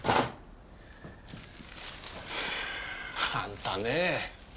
あんたねぇ。